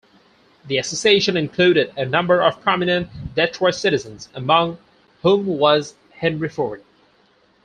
The Association included a number of prominent Detroit citizens, among whom was Henry Ford.